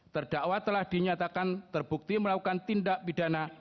terdakwa telah dinyatakan terbukti melakukan tindak pidana